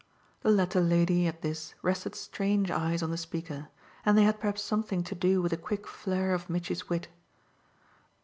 The latter lady, at this, rested strange eyes on the speaker, and they had perhaps something to do with a quick flare of Mitchy's wit.